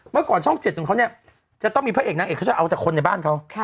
เมื่อก่อนช่อง๗ของเขาเนี่ยจะต้องมีพระเอกนางเอกเขาจะเอาแต่คนในบ้านเขา